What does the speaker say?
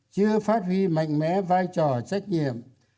chưa phát huy mạnh mẽ vai trò trách nhiệm